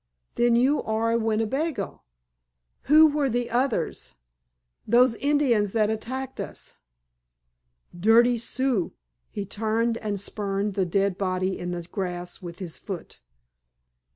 "Then you are a Winnebago? Who were the others—those Indians that attacked us?" "Dirty Sioux." He turned and spurned the dead body in the grass with his foot.